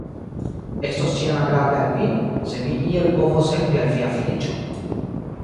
Estos ĉiam agrable al mi, se mi iel povos helpi al via feliĉo.